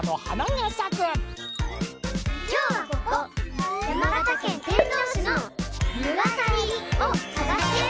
・きょうはここ山形県天童市の「むがさり」をさがして。